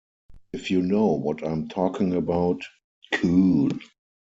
If you know what I'm talking about, cool.